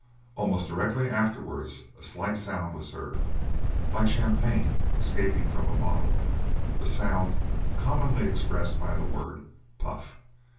Almost directly afterwards a slight sound was heard, like champagne escaping from a bottle—a sound commonly expressed by the word "puff."